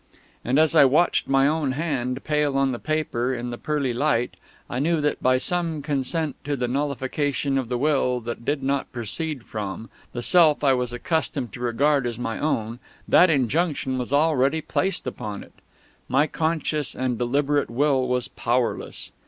And as I watched my own hand, pale on the paper in the pearly light, I knew that, by some consent to the nullification of the Will that did not proceed from, the Self I was accustomed to regard as my own, that injunction was already placed upon it. My conscious and deliberate Will was powerless.